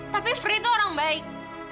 tapi frey tuh orang baik